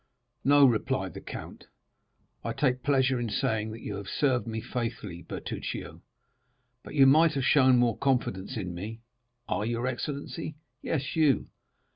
"No," replied the count; "I take pleasure in saying that you have served me faithfully, Bertuccio; but you might have shown more confidence in me." "I, your excellency?" "Yes; you.